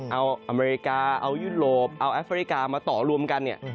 เอาอเมริกาเอายุโรปเอาแอฟริกามาต่อรวมกันเนี่ย